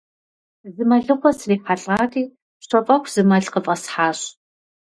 Зы мэлыхъуэ срихьэлӀати, пщэфӀэху, зы мэл къыфӀэсхьащ.